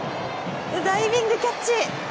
ダイビングキャッチ！